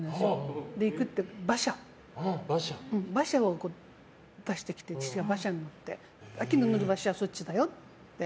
行くって、馬車を出してきて父が馬車に乗って亜紀の乗る馬車はそっちだよって。